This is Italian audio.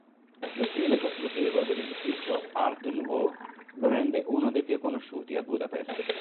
Lo stile costruttivo dell'edificio "art nouveau" lo rende uno dei più conosciuti a Budapest.